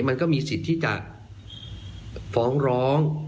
มันก็มีสิทธิ์ที่จะฟ้องร้อง